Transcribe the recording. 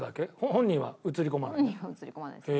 本人は写り込まないですね。